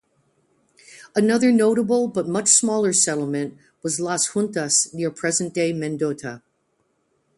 Another notable but much smaller settlement was Las Juntas, near present-day Mendota.